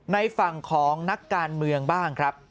ในฝั่งของนักการเมืองบ้างครับ